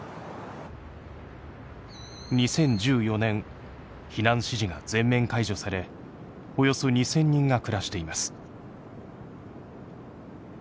２０１４年避難指示が全面解除されおよそ２，０００人が暮らしています。